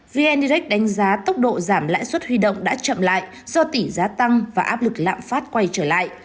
vn direct đánh giá tốc độ giảm lãi suất huy động đã chậm lại do tỷ giá tăng và áp lực lạm phát quay trở lại